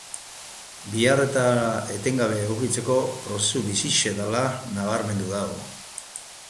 Beharretara etengabe egokitzeko prozesu bizia dela nabarmendu du.